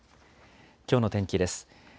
きょうの天気です。